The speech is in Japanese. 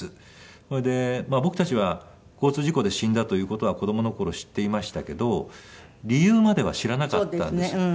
それで僕たちは交通事故で死んだという事は子供の頃知っていましたけど理由までは知らなかったんですね。